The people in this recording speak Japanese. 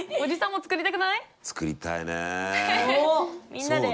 作りたいね。